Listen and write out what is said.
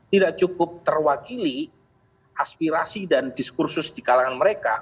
tidak cukup terwakili aspirasi dan diskursus di kalangan mereka